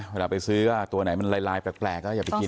เวลาไปซื้อก็ตัวไหนมันลายแปลกก็อย่าไปกิน